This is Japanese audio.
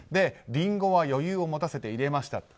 リンゴは余裕を持たせて入れました。